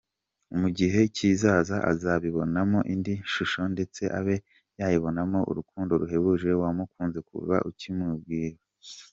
Mu gihe kizaza azabibonamo indi shusho ndetse abe yabibonamo urukundo ruhebuje wamukunze kuva ukimwibaruka.